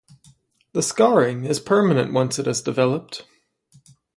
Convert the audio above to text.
The scarring is permanent once it has developed.